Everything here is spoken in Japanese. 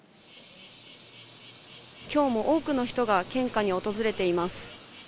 きょうも多くの人が献花に訪れています。